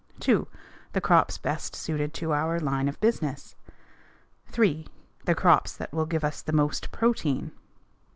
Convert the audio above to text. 2. The crops best suited to our line of business. 3. The crops that will give us the most protein.